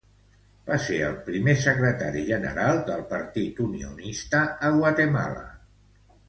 Va ser el primer secretari general del Partit Unionista a Guatemala.